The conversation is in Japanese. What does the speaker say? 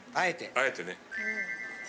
あえてね。